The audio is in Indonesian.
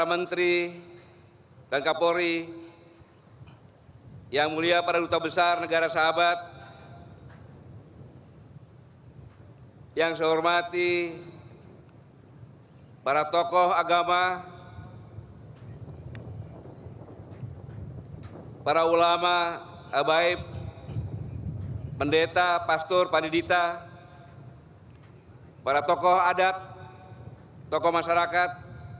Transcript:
untuk perhatian istirahat ditempat